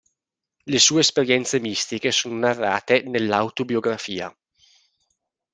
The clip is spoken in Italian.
Le sue esperienze mistiche sono narrate nell"'Autobiografia.